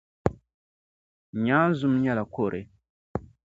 Nyaanzum nyɛla kɔre.